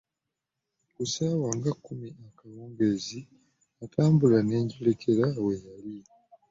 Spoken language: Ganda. Ku ssaawa nga kkumi akawungeezi, natambula ne njolekera we yali.